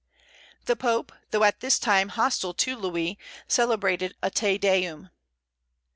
The Pope, though at this time hostile to Louis, celebrated a Te Deum.